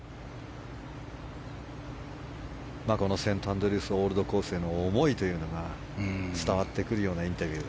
このセントアンドリュースオールドコースへの思いというのが伝わってくるようなインタビュー。